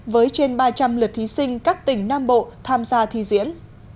với trên ba trăm linh lượt thí sinh các tỉnh nam bộ tham gia thi diễn